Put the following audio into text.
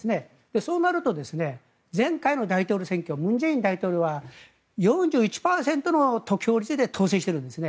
そうなると前回の大統領選挙文在寅大統領は４１％の得票率で当選しているんですね。